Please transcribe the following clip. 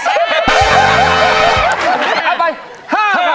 เอาไป๕๐๐บาท